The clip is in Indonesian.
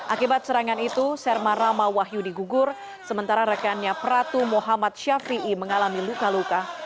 akibat serangan itu sermarama wahyu digugur sementara rekannya pratu muhammad syafie mengalami luka luka